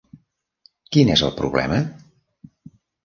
"Quin és el problema?